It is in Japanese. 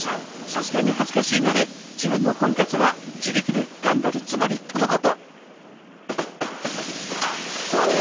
さすがに恥ずかしいので自分の婚活は自力で頑張るつもりとのこと。